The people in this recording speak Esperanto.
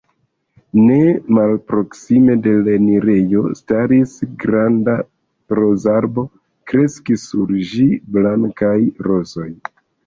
Ne malproksime de l' enirejo staris granda rozarbo; kreskis sur ĝi blankaj rozoj.